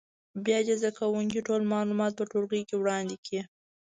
بیا دې زده کوونکي ټول معلومات په ټولګي کې وړاندې کړي.